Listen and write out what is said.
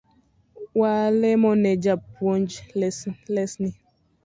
Walemone jopuonj lesni